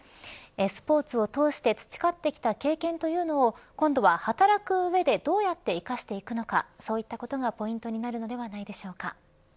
スポーツを通して培ってきた経験というのを今度は働く上でどうやって生かしていくのかそういったことがポイントになるのではないでしょうか。